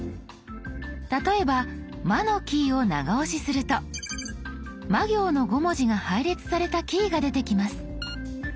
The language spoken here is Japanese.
例えば「ま」のキーを長押しするとま行の５文字が配列されたキーが出てきます。